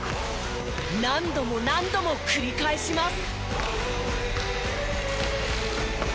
何度も何度も繰り返します。